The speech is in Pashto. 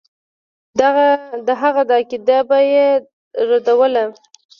د هغه دا عقیده به یې ردوله.